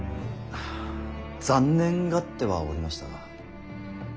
残念がってはおりましたが。